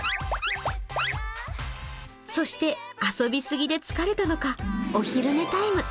そして、遊び過ぎで疲れたのか、お昼寝タイム。